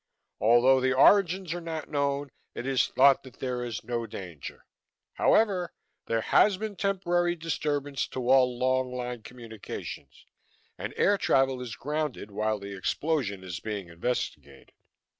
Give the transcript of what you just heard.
Although the origins are not known, it is thought that there is no danger. However, there has been temporary disturbance to all long lines communications, and air travel is grounded while the explosion is being investigated."